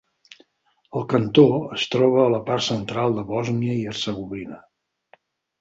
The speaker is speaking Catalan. El cantó es troba a la part central de Bòsnia i Hercegovina.